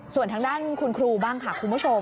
ส่วนทางด้านคุณครูบ้างค่ะคุณผู้ชม